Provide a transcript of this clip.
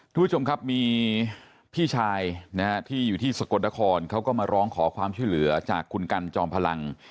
ทุกผู้ชมครับมีพี่ชายนะฮะที่อยู่ที่สกลนครเขาก็มาร้องขอความช่วยเหลือจากคุณกันจอมพลัง